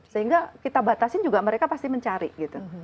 sehingga kita batasin juga mereka pasti mencari gitu